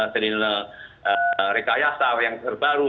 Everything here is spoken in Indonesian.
seri rekayasa yang terbaru